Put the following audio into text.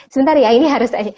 sebentar ya ini harus